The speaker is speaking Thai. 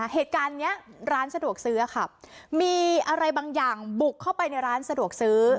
เหตุการณ์นี้ร้านสะดวกซื้อค่ะมีอะไรบางอย่างบุกเข้าไปในร้านสะดวกซื้อ